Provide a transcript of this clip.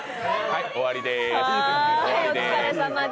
はい、終わりです。